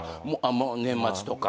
年末とか。